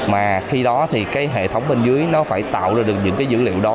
mà khi đó thì cái hệ thống bên dưới nó phải tạo ra được những cái dữ liệu đó